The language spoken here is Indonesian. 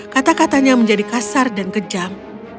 kata katanya menjadi kasar dan kejam